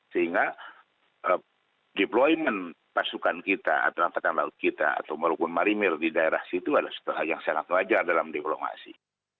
sehingga deployment pasukan kita atau angkatan laut kita atau marinir di daerah situ adalah suatu hal yang sangat wajar dalam diplomasi